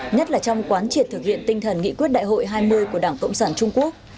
nhất là trong quán triệt thực hiện tinh thần nghị quyết đại hội hai mươi của đảng cộng sản trung quốc